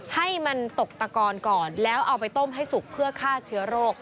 ให้มันตกตะกอนก่อนแล้วเอาไปต้มให้สุกเพื่อฆ่าเชื้อโรค